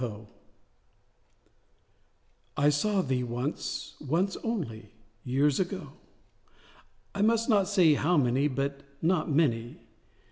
TO HELEN I saw thee once—once only—years ago: I must not say how many—but not many.